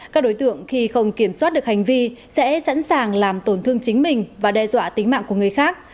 các đối tượng khi không kiểm soát được hành vi sẽ sẵn sàng làm tổn thương chính mình và đe dọa tính mạng của người khác